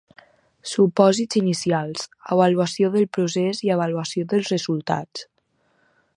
Supòsits inicials, avaluació del procés i avaluació de resultats.